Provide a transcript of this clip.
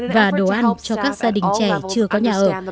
và đồ ăn học cho các gia đình trẻ chưa có nhà ở